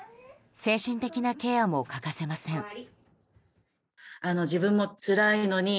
精神的なケアも欠かせません。